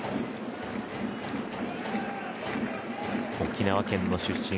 沖縄県の出身